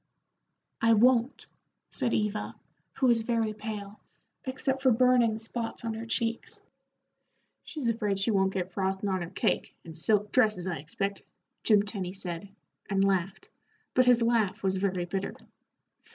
"I won't," said Eva, who was very pale, except for burning spots on her cheeks. "She's afraid she won't get frostin' on her cake, and silk dresses, I expect," Jim Tenny said, and laughed, but his laugh was very bitter.